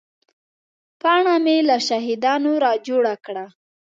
پاڼه مې له شاهدانو را جوړه کړه.